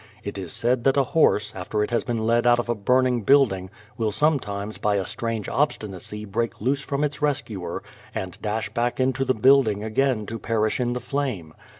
It is said that a horse after it has been led out of a burning building will sometimes by a strange obstinacy break loose from its rescuer and dash back into the building again to perish in the flame.